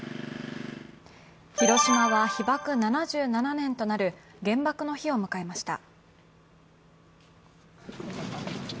広島は被爆７７年となる原爆の日を迎えました。